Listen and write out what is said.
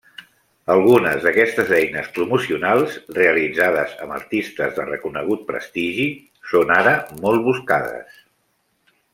Algunes d'aquestes eines promocionals, realitzades amb artistes de reconegut prestigi, són ara molt buscades.